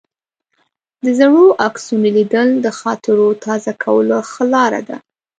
د زړو عکسونو لیدل د خاطرو تازه کولو ښه لار ده.